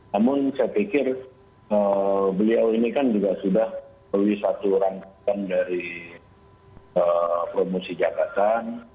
namun saya pikir beliau ini kan juga sudah melalui satu rangkaian dari promosi jabatan